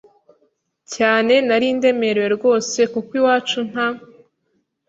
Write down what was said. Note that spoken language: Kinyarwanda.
cyane nari ndemerewe rwose kuko iwacu nta